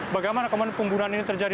bagaimana kemudian pembunuhan ini terjadi